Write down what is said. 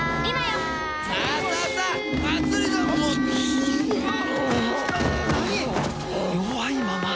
弱いまま。